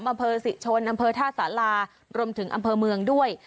อำเภอศรีชนอำเภอท่าสารารวมถึงอำเภอเมืองด้วย